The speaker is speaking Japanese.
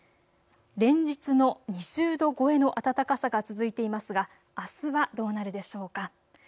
連日の２０度超えの暖かさが続いていますが、あすはどうなるでしょうか。